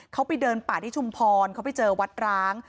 เขาไปเดินป่าที่ชุมพรเขาไปเจอวัดร้าง